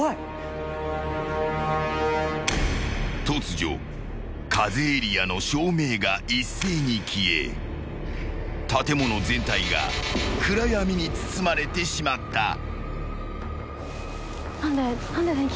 ［突如ｋａｚｅエリアの照明が一斉に消え建物全体が暗闇に包まれてしまった］